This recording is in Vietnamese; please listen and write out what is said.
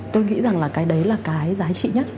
tôi nghĩ rằng là cái đấy là cái giá trị nhất